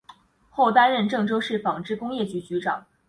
后担任郑州市纺织工业局局长。